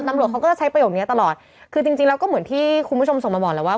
ตำรวจเขาก็จะใช้ประโยคนี้ตลอดคือจริงจริงแล้วก็เหมือนที่คุณผู้ชมส่งมาบอกแล้วว่า